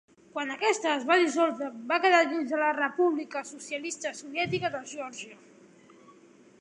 Quan aquesta es va dissoldre va quedar dins la República Socialista Soviètica de Geòrgia.